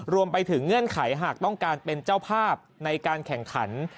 เงื่อนไขหากต้องการเป็นเจ้าภาพในการแข่งขัน